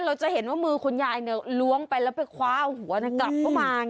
เราจะเห็นว่ามือคุณยายล้วงไปแล้วไปคว้าเอาหัวกลับเข้ามา